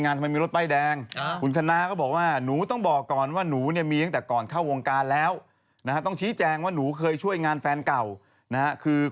ผ่านมาสองสามวันหนูไม่รู้เรื่องเลย